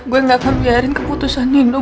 gue gak akan biarin keputusan nino